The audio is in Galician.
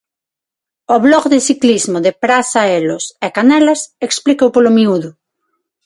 O blog de ciclismo de Praza Elos e Canelas explícao polo miúdo.